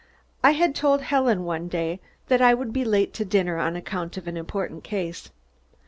I had told Helen one day that I would be late to dinner on account of an important case.